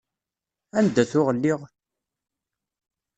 Anda tuɣ lliɣ?